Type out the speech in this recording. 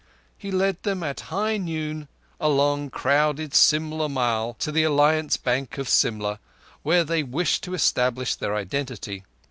He led them at high noon along crowded Simla Mall to the Alliance Bank of Simla, where they wished to establish their identity.